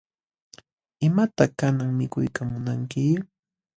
¿Imataq kanan mikuyta munanki?